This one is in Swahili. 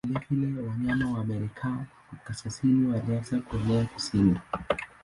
Vilevile wanyama wa Amerika Kaskazini walianza kuenea kusini.